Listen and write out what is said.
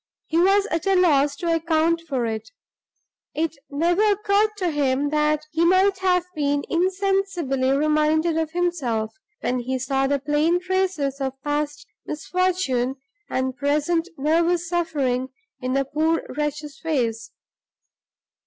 He was at a loss to account for it. It never occurred to him that he might have been insensibly reminded of himself, when he saw the plain traces of past misfortune and present nervous suffering in the poor wretch's face.